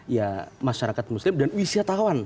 ya masyarakat muslim dan wisatawan